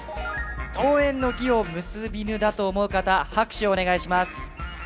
「桃園の義を結びぬ」だと思う方拍手をお願いします。